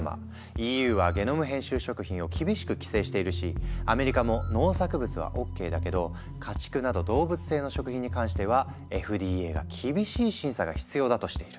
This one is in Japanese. ＥＵはゲノム編集食品を厳しく規制しているしアメリカも農作物はＯＫだけど家畜など動物性の食品に関してはＦＤＡが厳しい審査が必要だとしている。